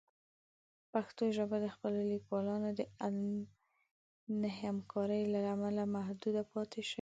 پښتو ژبه د خپلو لیکوالانو د عدم همکارۍ له امله محدود پاتې شوې.